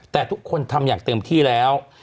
แต่ทุกคนทำอย่างเต็มที่แล้ว